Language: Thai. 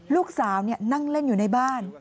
ลูกสาวนั่งเล่นอยู่ในบ้าน